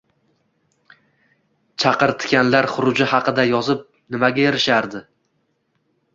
Chaqirtikanlar huruji haqida yozib nimaga erishardi?